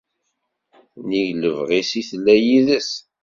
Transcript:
nnig n lebɣi-s i tella yid-s.